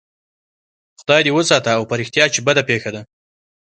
خدای دې وساته او په رښتیا چې بده پېښه ده.